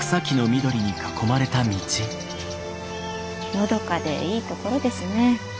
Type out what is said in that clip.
のどかでいいところですね。